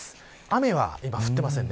雨は今、降っていません。